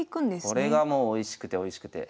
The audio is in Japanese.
これがもうおいしくておいしくて。